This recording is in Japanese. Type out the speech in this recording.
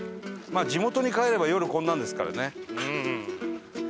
地元に帰れば夜こんなんですからね。